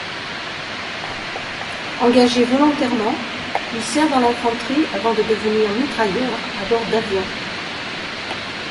Engagé volontairement, il sert dans l'infanterie avant de devenir mitrailleur à bord d'avions.